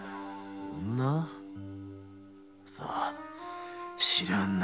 さあ知らんな。